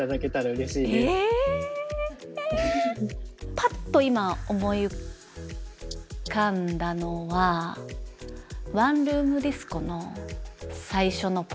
パッと今思い浮かんだのは「ワンルーム・ディスコ」の最初のポーズ。